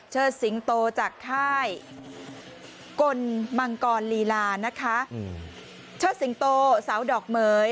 สิงโตจากค่ายกลมังกรลีลานะคะเชิดสิงโตสาวดอกเหม๋ย